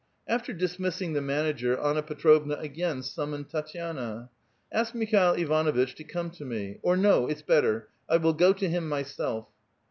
After dismissing the manager, Anna Petrovna again sum moned Tatiana: '"Ask MikhjLil Ivanuitch to come to me — or, no, it's better, I will go him myself."